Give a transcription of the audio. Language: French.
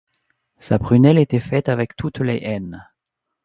Sa prunelle était faite avec toutes les haines